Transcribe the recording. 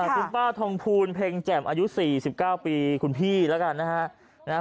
คุณป้าทองภูลเพ็งแจ่มอายุ๔๙ปีคุณพี่แล้วกันนะฮะ